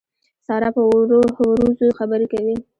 سارا په وروځو خبرې کوي.